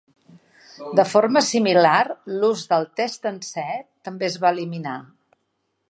De forma similar, l'ús del "test-and-set" també es va eliminar.